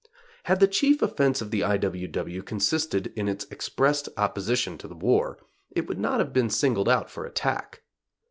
Had the chief offense of the I. W. W. consisted in its expressed opposition to the war, it would not have been singled out for attack.